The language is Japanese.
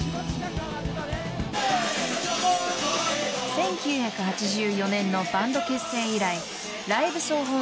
［１９８４年のバンド結成以来］